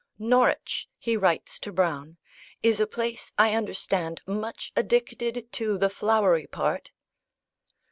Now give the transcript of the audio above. "Norwich," he writes to Browne, "is a place, I understand, much addicted to the flowery part."